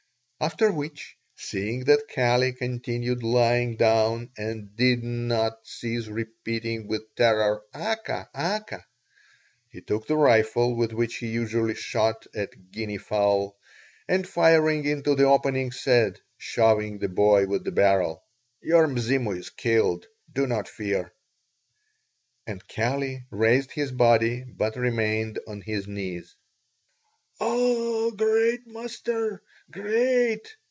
After which, seeing that Kali continued lying down and did not cease repeating with terror, "Aka! Aka!" he took the rifle with which he usually shot at guinea fowl and, firing into the opening, said, shoving the boy with the barrel: "Your Mzimu is killed. Do not fear." And Kali raised his body, but remained on his knees. "Oh, great master! great!